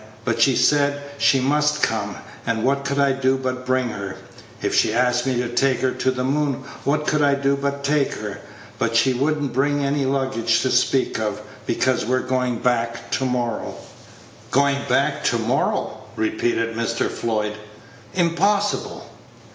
But she said she must come, and what could I do but bring her? If she asked me to take her to the moon, what could I do but take her? But she would n't bring any luggage to speak of, because we're going back to morrow." Page 94 "Going back to morrow!" repeated Mr. Floyd; "impossible."